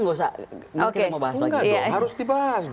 gak usah harus dibahas